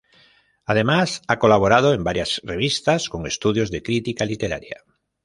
Además, ha colaborado en varias revistas con estudios de crítica literaria.